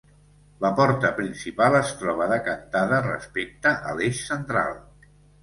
La porta principal es troba decantada respecte a l'eix central.